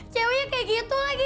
ceweknya kayak gitu lagi